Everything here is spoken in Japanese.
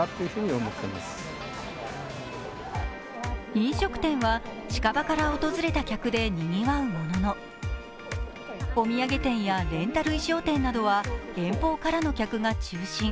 飲食店は近場から訪れた客でにぎわうもののお土産店やレンタル衣装店などは遠方からの客が中心。